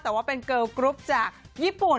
แต่ว่าเป็นเกิลกรุ๊ปจากญี่ปุ่น